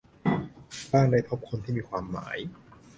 บ้างได้พบคนที่มีความหมาย